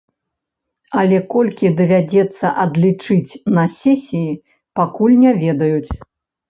Але колькі давядзецца адлічыць на сесіі, пакуль не ведаюць.